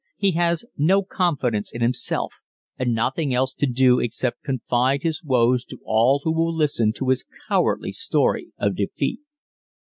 He has no confidence in himself and nothing else to do except confide his woes to all who will listen to his cowardly story of defeat.